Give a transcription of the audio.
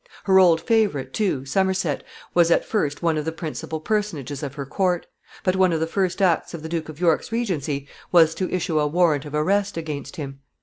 Her old favorite, too, Somerset, was at first one of the principal personages of her court; but one of the first acts of the Duke of York's regency was to issue a warrant of arrest against him.